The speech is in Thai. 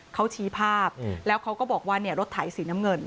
เขาชี้ภาพแล้วเขาก็บอกว่าเนี่ยรถไถสีน้ำเงิน